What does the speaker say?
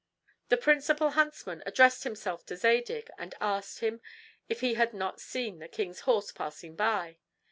The principal huntsman addressed himself to Zadig, and asked him if he had not seen the king's horse passing by.